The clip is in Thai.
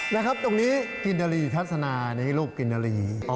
นะครับตรงนี้กินรีพัฒนาในลูกกินรี